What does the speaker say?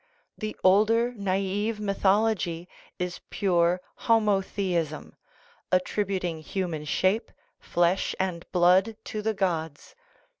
" The older, naive mythology is pure " homotheism," attributing human shape, flesh, and blood to the gods.